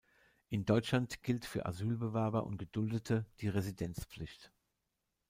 In Deutschland gilt für Asylbewerber und Geduldete die Residenzpflicht.